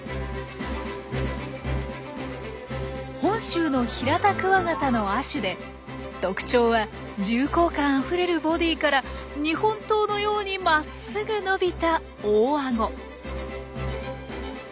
本州のヒラタクワガタの亜種で特徴は重厚感あふれるボディーから日本刀のようにまっすぐ伸びた大アゴ。